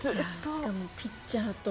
しかもピッチャーと。